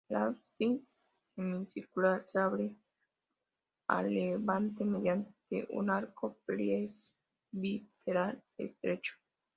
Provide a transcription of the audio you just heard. El ábside semicircular se abre a levante mediante un arco presbiteral estrecho.